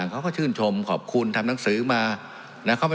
สวัสดีสวัสดีสวัสดี